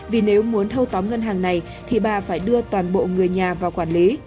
vì nếu muốn thâu tóm ngân hàng này thì bà phải đưa toàn bộ người nhà vào quản lý